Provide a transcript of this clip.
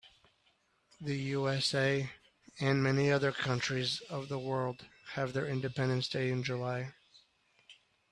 The USA and many other countries of the world have their independence day in July.